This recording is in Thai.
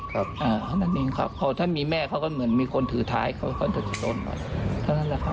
เท่านั้นเองครับพอถ้ามีแม่เขาก็เหมือนมีคนถือท้ายเขาก็จุดต้นไปเท่านั้นแหละครับ